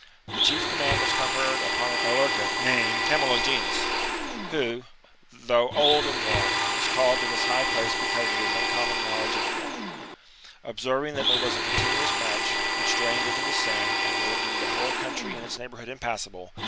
The chief command was con ferred upon an Aulercan, named Camulogenus, who, though old and worn, was called to this high place because of his uncommon knowledge of war. Observing that there was a continuous marsh, which drained into the Seine and rendered the whole country in its neighbourhood impassable, 2 50 THE REBELLION book 52 B.C.